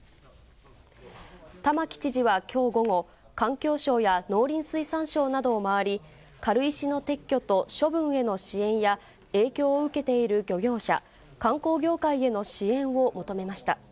玉城知事はきょう午後、環境省や農林水産省などを回り、軽石の撤去と処分への支援や、影響を受けている漁業者、観光業界への支援を求めました。